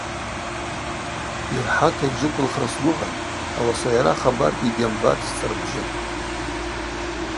Йырхӏата йджвыквылхра сгвыгъан, ауаса йара хабаргьи йгьамбатӏ сцӏырбжьы.